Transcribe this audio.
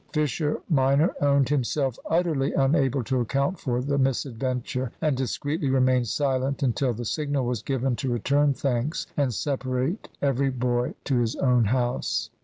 Fisher minor owned himself utterly unable to account for the misadventure, and discreetly remained silent until the signal was given to return thanks and separate every boy to his own house.